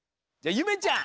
ゆめちゃん